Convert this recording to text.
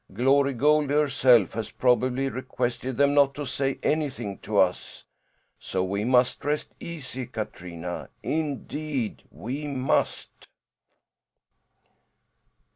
Glory Goldie herself has probably requested them not to say anything to us. So we must rest easy, Katrina, indeed we must."